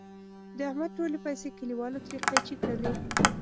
د احمد ټولې پیسې کلیوالو ترې قېنچي کړلې.